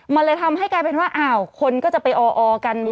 มันเลยทำให้กลายเป็นว่าอ้าวคนก็จะไปออกัน